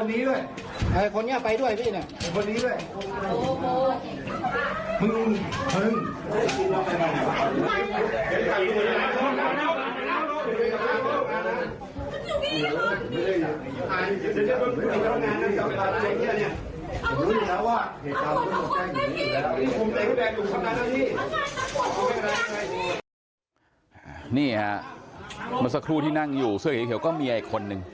นี่ฮะเมื่อสักครู่ที่นั่งอยู่เสื้อเขียวก็เมียอีกคนนึง